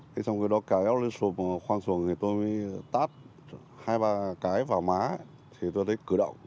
thế xong cái đó cái xuồng khoang xuồng thì tôi mới tát hai ba cái vào má thì tôi thấy cử động